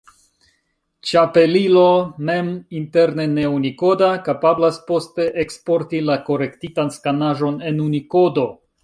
Ĉapelilo, mem interne ne-unikoda, kapablas poste eksporti la korektitan skanaĵon en Unikodo.